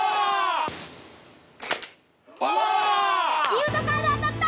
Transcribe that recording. ギフトカード当たった！